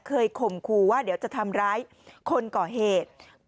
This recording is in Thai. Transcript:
ข่มขู่ว่าเดี๋ยวจะทำร้ายคนก่อเหตุ